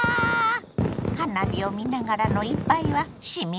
花火を見ながらの一杯はしみるわね！